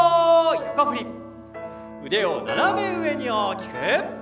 横振り、腕を斜め上に大きく。